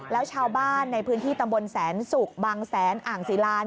แล้วชาวบ้านในพื้นที่ตำบลแสนศุกร์บางแสนอ่างศิลา